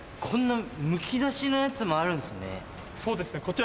こんなむき出しのやつもあるんですね。